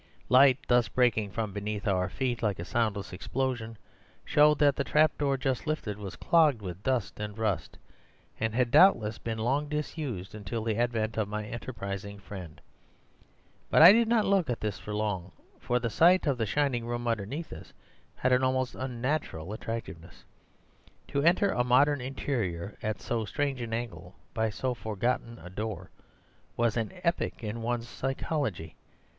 Light thus breaking from beneath our feet like a soundless explosion, showed that the trapdoor just lifted was clogged with dust and rust, and had doubtless been long disused until the advent of my enterprising friend. But I did not look at this long, for the sight of the shining room underneath us had an almost unnatural attractiveness. To enter a modern interior at so strange an angle, by so forgotten a door, was an epoch in one's psychology.